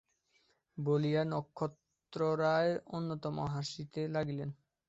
বলিয়া নক্ষত্ররায় অত্যন্ত হাসিতে লাগিলেন।